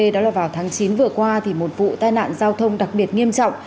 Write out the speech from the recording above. đó là vào tháng chín vừa qua thì một vụ tai nạn giao thông đặc biệt nghiêm trọng